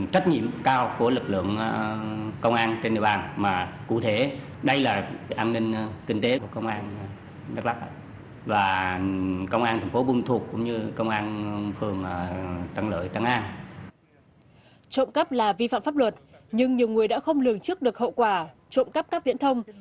trộm cắp là vi phạm pháp luật nhưng nhiều người đã không lường trước được hậu quả trộm cắp cắp viễn thông